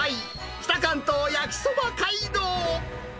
北関東焼きそば街道。